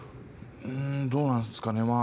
どうなんですかね。